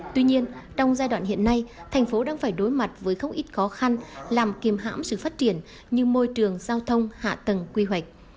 tuy nhiên trong giai đoạn hiện nay thành phố đang phải đối mặt với không ít khó khăn làm kiềm hãm sự phát triển như môi trường giao thông hạ tầng quy hoạch